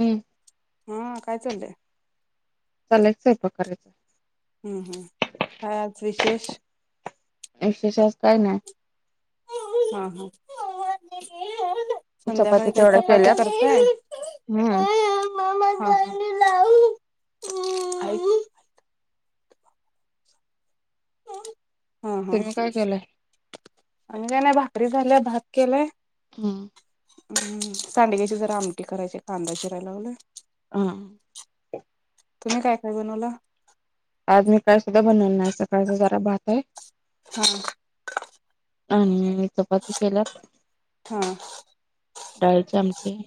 हम्म हा काय चाललंय? चाल्ल्यात स्वयंपाक करायचं. हम्म हम्म काय आज विशेष? विशेष आज काय नाइ. हा हा. चपात्या संध्याकाळी काय तेवढ्या चपाती केल्यात करताय? हम्म [inaudible] हा हा तुम्ही काय केलंय आणि काय नाइ भाकरी झाल्या भात केलाय. हम्म हम्म सांडग्याची जरा आमटी करायचीय कांदा चिराय लागलोय. हा. तुम्ही काय काय बनवला? आज मी काय सुद्धा बनलं नाइ सकाळचा जरा भात हाय. हा. आणि चपाती केल्यात हा डाळीची आमटी.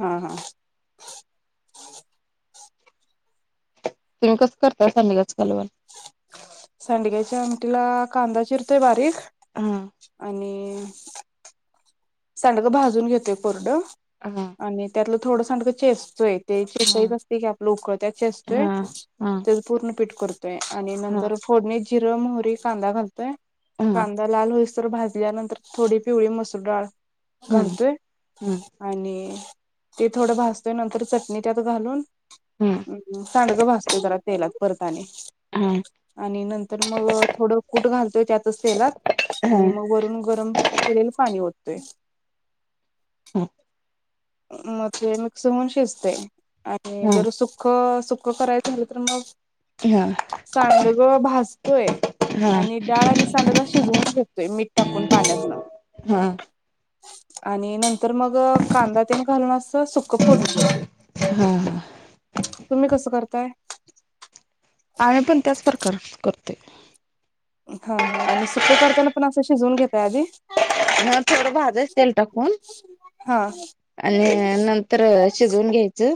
हा हा. तुम्ही कसं करताय सांडग्याचं कालवण? सांडग्याच्या आमटीला कांदा चिरतोय बारीक हा आणि सांडगं भाजून घतोय कोरडं हा आणि त्यातलं थोड सांडग चेचतोय ते हा [unintelligible] असते की आपलं उकळत्यात चेचतोय हा हा तेज पूर्ण पीठ तोय आणि हा नंतर फोडणी जिरं, मोहरी, कांदा घालतोय हा कांदा लाल होईस भाजल्यानंतर थोडी पिवळी मसूर डाळ हम्म घालतोय हम्म आणि ते थोडं भाजतोय नंतर चटणी त्यात घालून अं हम्म सांडगं भाजतोय जरा तेलात परत आणि हा. आणि नंतर मग थोडं कूट घालतोय त्यातचं तेलात हा आणि म वरून गरम केलेलं पाणी वत्तोय. हं. मते मिक्स होऊन शिजतय आणि हा जर सुख्ख सुक करायच तर मग हा हा सांडग भाजतोय. आणि डाळ आणि सांडग शिजवून घेतोय मीठ टाकून पाण्यातनं हा आणि नंतर मग कांदा तेन घालून अस. सुख फोड हा तुम्ही कस करताय. आम्ही पण त्याच प्रकार करते. हा हा आणि सुकं करताना पण असं शिजवून घेतय आधी ह थोडं भाजच तेल टाकून हा. आणि नंतर शिजवून घ्यायचं.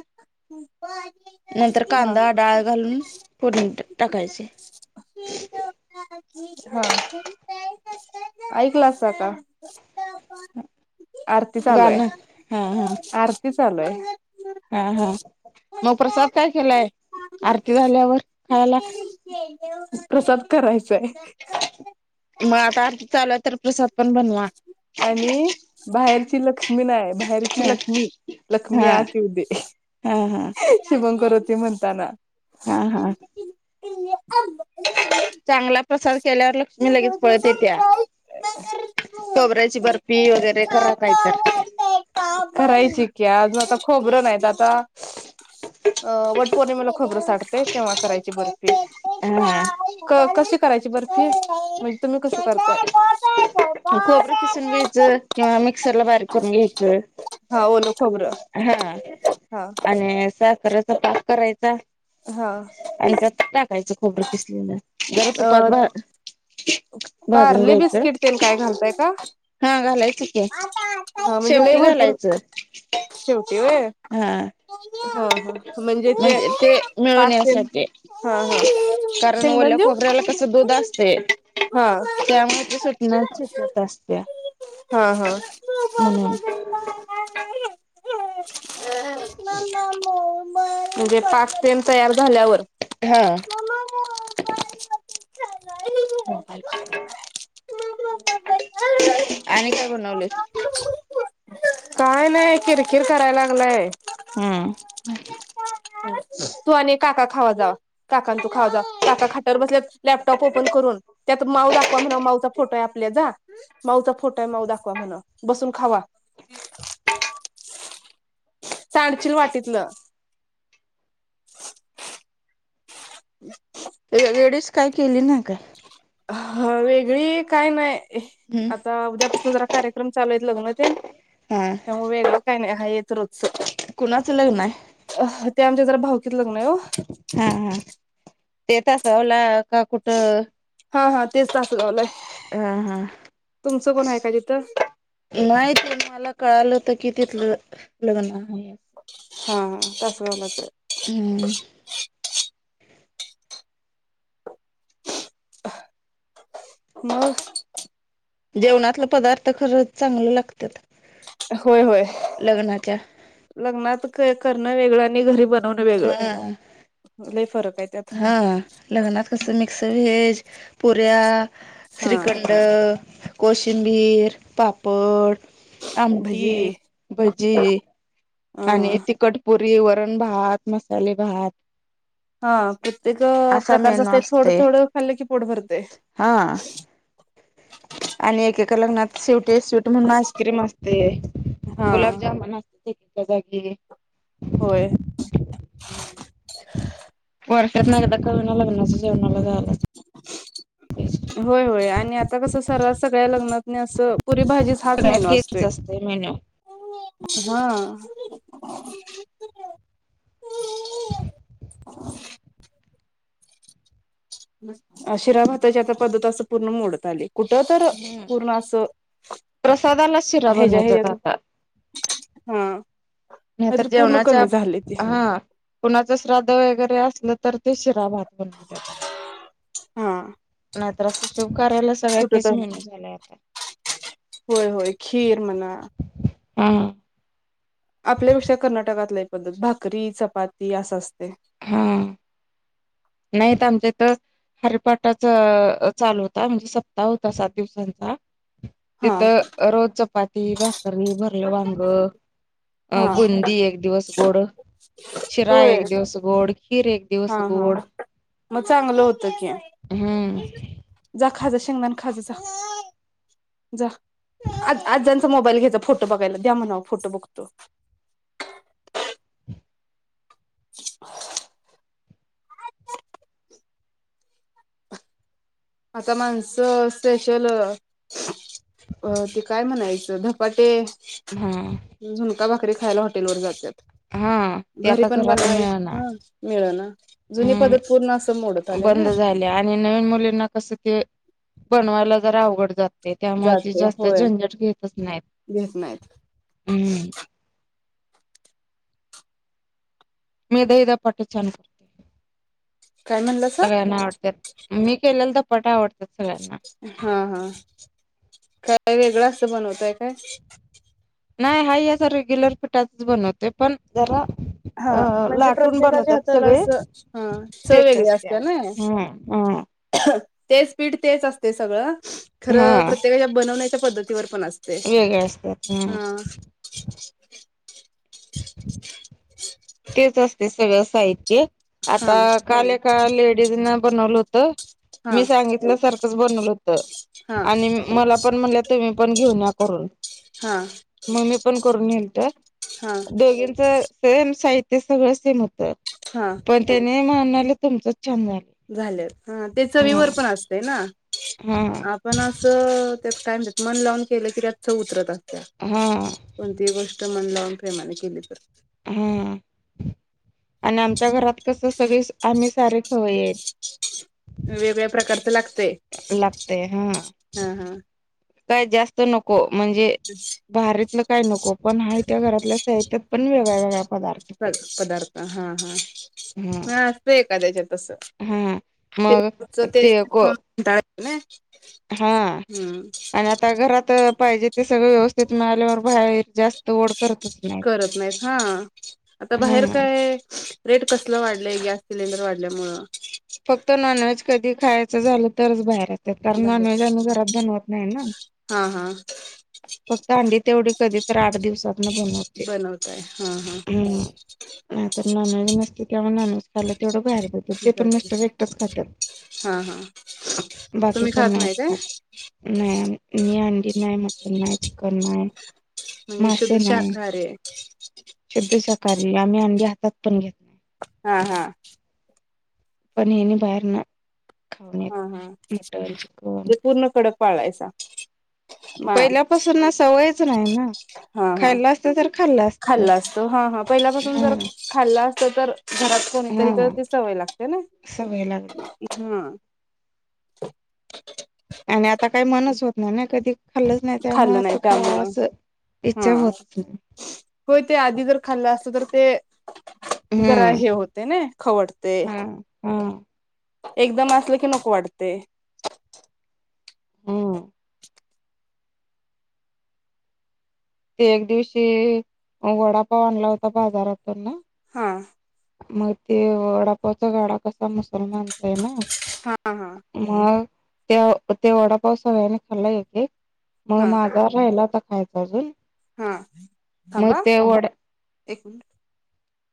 नंतर हा. कांदा डाळ घालून पुढून टाकायचे. हा ऐकला असता का आरती चालू गाणं आहे हा हा आरती चालू आहे. हा हा. मग प्रसाद काय केलाय आरती झाल्यावर खायला. प्रसाद करायच. मग आता आरती चाल तर प्रसाद पण बनवा. आणि बाहेरची लक्ष्मी नाही बाहेरची हा लक्ष्मी लक्ष्मी हा आ हा हा श [unintelligible] कर ते म्हणताना. हा हा. ते [unintelligible] चांगला प्रसाद केल्यावर लक्ष्मी लगेच पळत येत्या खोबऱ्याची बर्फी वगैरे करा काय तर [unintelligible] करायची की अजून आता खोबरं नाहीत आता [unintelligible] अ वटपौर्णिमेला खबरं साठते तेव्हा करायची बर्फी. हा क कशी करायची बर्फी म्हणजे तुम्ही कस करता. कोबरं खिसून घ्यायचं किंवा मिक्सर ला बारीक करून घ्यायचं. हा ओल खोबरं हा हा आणि साखऱ्याचा पाप करायचा हा आणि त्या टाकायच. होबर किसली ना जरत अ पावा पार्ले बिस्किट ते काय घालताय का. हा घालायच ते हा म्हणजे लय शेवटी भरपूर घालायचं. शेवटी व्हय हा म्हणजे ते मिळून पाक ते यासाठी हा हा कारण शेंगदाण ओल्या देऊ खोबऱ्याला कस दूध असते. हा त्यामुळे त्या स्वपना शिकत असत्या. हा हा. अ नाम हो म [unintelligible] पाक तयार झाल्यावर हा आणि काय बनवले. काय नाही किरकिर करायला लागलाय. हम् तू आणि काका खावा जा काका तू खावा जा काका खाट्यावर बसल्या लॅपटॉप ओपन करून त्यात माव दाखव दाखवा म्हणा माऊचा फोटो आहे, आपल्या जा माऊचा फोटो आहे माऊ दाखवा म्हणा बसून खावा. सांडशील वाटीतलं. [unintelligible] डिश काय केली नाही काय. ह वेगळी काय नाही हम् आता उद्यापासून जरा कार्यक्रम चालू येत लगून ते हा त्यामुळे वेगळं काही नाही हा येत र कुणाचं लग्न आहे अ ते आमच्या जरा भावकीत लग्न आहे हो. हा हा ते तसावला का कुठं हा हा तेच तसवला आहे. हम हा तुमचं कोण आहे का तिथं नाही ते मला कळालं होत कि तिथलं लग्न आहे हा हा तसच बसायचं. हम्म मग. जेवणातलं पदार्थ खरंच चांगलं लागतात. होय-होय लग्नाच्या लग्नात करणं वेगळं आणि घरी ब बनवणं वेगळ हा लई फरक. आहे त्यात हा लग्नात कसं मिक्सर व्हेज. पुऱ्या, हा श्रीखंड, कोशिंबीर, पापड. आमटी, भजी भजी, अ आणि तिखट पुरी, वरण, भात मसाले भात. हा प्रत्येक असा प्रकारच मेनू ते असते थोडं-थोडं खाल्लं की पोट भरते. हा. आणि एकेका लग्नात शेवटी स्वीट म्हणून आईस्क्रीम असतय. हा गुलाबजामन असतय एकेका जागी. होय. वर्षातन एकदा का व्हईना, लग्नाच्या जेवणाला जायला व्हय व्हय आणि आता कस? सरास सगळ्या लग्नातनी आसं पुरी भाजीच हाच मेनू सगळ्यात तेच असतोय. असते मेन्यू हां. [inaudible] आ शिरा भाताची आता पद्धत अस पूर्ण मोडत आली. कुठ तर, हम्म पूर्ण असं प्रसादाला शिरा हेज्या बनवतात हेज्यात आता हां. नाही तर जेवणाच्या, हा कुणाच श्राद्ध वगैरे आसलं तर ते शिरा भात बनवत्यात. हा. नाहीतर अस शुभ कार्याला सगळ्या कुठ तेच तर मेनू झालाय आता. होय होय खीर म्हणा हा. आपल्यापेक्षा कर्नाटकात लई पद्धत भाकरी, चपाती असं असतय. हा. नाहीत आमच्या इथ हरीपाटाच चालू होता म्हणजे सप्ताह होता सात दिवसांचा हा तिथं रोज चपाती भा करी, भरलं वांग, अ हा बुंदी एक दिवस गोड शिरा होय एक दिवस, गोड खीर एक हा दिवस, हा गोड मग चांगलं होत कि हम्म जा खाजा शेंगदाण खाजा जा. जा आ-आजांचा मोबाईल घेजा द्या म्हणाव फोटो बघायला द्या म्हणाव फोटो बघतो. [inaudible] [inaudible] आता माणसं स्पेशल अ ते काय म्हणायचं धपाटे हां. झुणका भाकरी खायला हॉटेल वर जात्यात. हां. आ ते आता घरात मिळणा हा मिळ ना जुनी पद्धत पूर्ण असं मोडत हम् आल्या ना बंद आता. झाले आणि नवीन मुलींना कस ते बनवायला जरा अवघड जात. ते त्यामुळे ते जाते जास्त होय झंझट घेतच नाहीत घेत नाहीत हम्म. [inaudible] मी दही, धपाटे छान करते. काय म्हणलं स सगळ्यांना आवडत्या मी केलेला धपाटे आवडत. हा हा. काय वेगळं अस बनवतय काय? नाही हा या रेग्युलर पिटाातच बनवतेो पण जरा हा अ म्हणजे लाटून प्रत्येकाच्या बनवतात हाताला सगळे अस ह चव टेस्ट वेेगळे असत्या. असते ना. हा हा [unintelligible] तेच पीठ तेच असते सगळं खरं हा प्रत्येकाच्या बनवण्याच्या पद्धतीवर पण असते वेगळे असतात हा. तेच असते सगळं साहित्य हा आता काल ऐका लेडीज ना बनवलं होत. त हा मी सांगितल्या सारखंच बनवलं होत. हा आणि मला पण म्हणले तुम्ही पण घेऊन या. करून हा मग मी पण करून नेलत तर हा दोघीच. सेम साहित्य सगळं सेम होत हा पण त्याने म्हणालं तुमचं. झालय ह त्याच विवर पण असत ना हा आपण अस. त्यात काय म्हणतात मन लावून केलं की चव उतरत असतयात हा कोणतीही गोष्ट मन लावून प्रेमाने केली तर हा. आणि आमच्या घरात कस सगळे आम्ही सारे खवय्ये येत. वेगळ्या प्रकारचं लागत. लागतेय हा. हा काय जास्त नको म्हणजे बाारीतलं काय नको पण हा त्या घरातल्या त्या येतात पण वेगळाय वेगळाय. पदार्थ हा हा हा म असत एखाद्याच्यात अस हा ते मग रोजच ते तेस खाऊन कंटाळा येतो. हा हम्म आणि आता घरात पाहिजे ते सगळं व्यवस्थित ईथ मिळाल्यावर बाहेर जास्त ओढ करतच नाही. करत नाहीत हा आता बाहेर हा काय रेट कसलं वाढलंय गॅस सिलेंडर वाढल्यामुंळ. फक्त नॉनव्हेज कधी खायचं झालं तरच बाहेर तर नॉन बाहेर व्हेज आम्ही घरात बनवत नाही ना हा हा फक्त अंडी तेवढी कधी तर आठ दिवसात न बनवते बनवताय हा हा हम नाही तर नॉनव्हेज नसते तेव्हा नॉनव्हेज खायला तेवढं बाहेर पडतात ते पण जाते मिस्टर एकटच खात्यात. हा हा बाकी तुम्ही कोण नाही नाहीत काय खात नाही मी अंडी नाही मटन नाही चिकन नाही. म्हणजे मासे शुद्ध नाही शाकाहारारी आहे. शुद्ध सकाारी आम्ही अंडी हातात पण घेत नाही. हा हा. पण यानी बाहेर ना. हा हा तेे पूर्ण कडक पाळायचा. मा पहिल्यापासून ना सवयच नाही ना. हा हा खाल्लं असतं तर खाल्लं असतं खाल्ल असत हा हा पहिल्यापासून जर हम्म खालल अस. तर घरात कोणी तरी हा तर ती सवय लागते ना सवय लागली असती हा. [unintelligible] आणि आता काही मनच होत ना ना कधी खाल्लच नाही त्यामुळे असं खावा असं. हां इच्छा होतच नाही होय ते आधी जर खाल्लं असत तर ते जरा हम्म हे होतंय नाही खाऊ वाटतंय. हा हा एकदम असलं की नको वाटतंय. हम्म ते एक दिवशी वडापाव आणला होता बाजारातून ना. हां. मग ते वडापावचा गाडा कसा मस्त करून आणतोय ना हा हा मग- त्यो ते वडापाव सगळ्यांनी खाल्ला एक एक मग हा माझा राहिलाता खायचा अजून हां मग ते वड्या एक मिनिटं